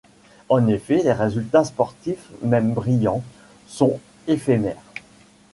En effet, les résultats sportifs, même brillants, sont éphémères.